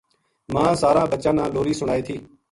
ماں ساراں بچاں نا لوری سنائے تھی: